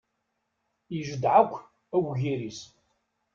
Ijeddeɛ akk aweggir-is.